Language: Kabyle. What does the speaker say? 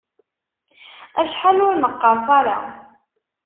Acḥal ur neqqerṣ ara.